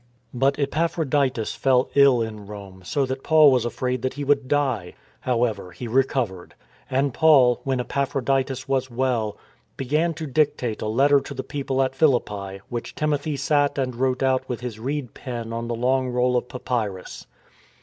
But Epaphroditus fell ill in Rome so that Paul was afraid that he would die. However he recovered, and Paul, when Epaphroditus was well, began to dictate a letter to the people at Philippi, which Timothy sat and wrote out with his reed pen on the long roll of papyrus.